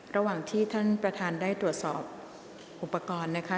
ระหว่างที่ท่านประธานได้ตรวจสอบอุปกรณ์นะคะ